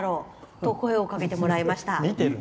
と声をかけてもらいました。